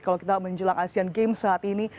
kalau kita menjelang asean games saat ini